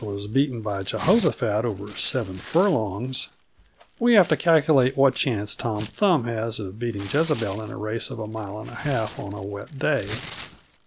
was beaten by Jehoshaphat over seven furlongs, we have to calculate what chance Tom Thumb has of beating Jezebel in a race of a mile and a half on a wet day.